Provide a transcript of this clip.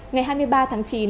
ngày hai mươi ba tháng chín